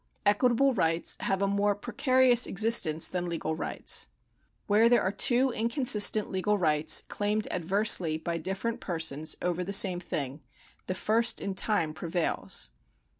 Equitable rights have a more precarious existence than legal rights. Where there are two inconsistent legal rights claimed adversely by different persons over the same thing, the first in time prevails.